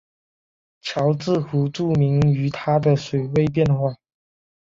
乔治湖著名于它的水位变化。